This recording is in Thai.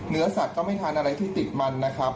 เนื้อสัตว์ก็ไม่ทานอะไรที่ติดมันนะครับ